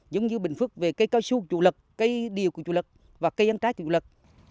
giống như bình phước về cây cao su trụ lật cây điều trụ lật và cây ăn trái trụ lật